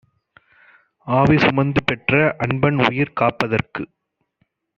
ஆவி சுமந்துபெற்ற அன்பன்உயிர் காப்பதற்குக்